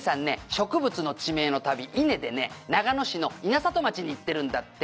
植物の地名の旅“稲”でね長野市の稲里町に行ってるんだって」